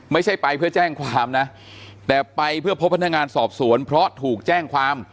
ไม่ใช่ไปเพื่อแจ้งความนะแต่ไปเพื่อพบพนักงานสอบสวนเพราะถูกแจ้งความ